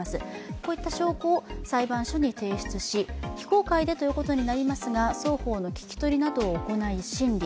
こういった証拠を裁判所に提出し、非公開でということになりますが双方の聞き取りなどを行い審理。